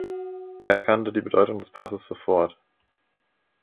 Er erkannte die Bedeutung des Passes sofort.